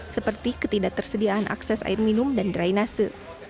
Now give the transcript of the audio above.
seperti ketidaktersediaan akses air minum dan drainase